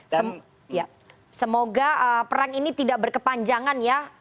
dan semoga perang ini tidak berkepanjangan ya